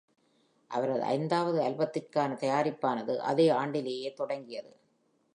அவரது ஐந்தாவது ஆல்பத்திற்கான தயாரிப்பானது அதே ஆண்டிலேயே தொடங்கியது.